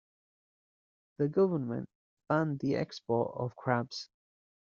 The government banned the export of crabs.